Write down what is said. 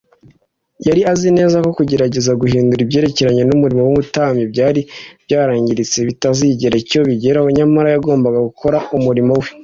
yari azi neza ko kugerageza guhindura ibyerekeranye n’umurimo w’ubutambyi byari byarangiritse bitazagira icyo bigeraho; nyamara yagombaga gukora umurimo we